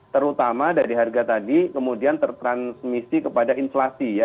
terutama dari harga tadi kemudian tertransmisi kepada inflasi ya